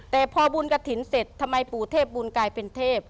แต่พอบุญกระถิ่นเสร็จทำไมปู่เทพบุญกลายเป็นเทพ